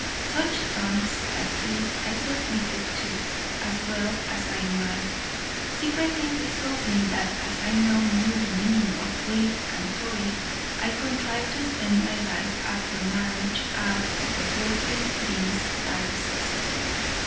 Such taunts as these I submitted to, as well I might; secretly resolving, that as I now knew the meaning of Whig and Tory, I'd contrive to spend my life, after marriage, out of the worthy dean's diocese.